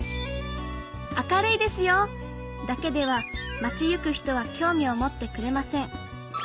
「明るいですよ」だけでは町行く人は興味を持ってくれません。